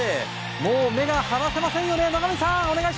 もう目が離せませんよね。